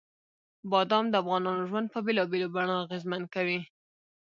بادام د افغانانو ژوند په بېلابېلو بڼو اغېزمن کوي.